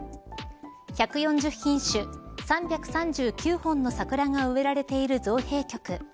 １４０品種３３９本の桜が植えられている造幣局。